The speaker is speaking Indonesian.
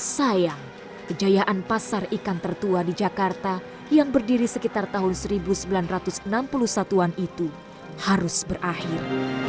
sayang kejayaan pasar ikan tertua di jakarta yang berdiri sekitar tahun seribu sembilan ratus enam puluh satu an itu harus berakhir